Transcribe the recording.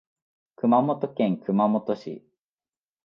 熊本県熊本市